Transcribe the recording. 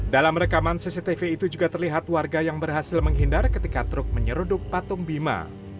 dalam rekaman cctv itu juga terlihat warga yang berhasil menghindar ketika truk menyeruduk patung bima